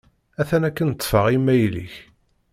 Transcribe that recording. Atan akken ṭṭfeɣ imayl-ik.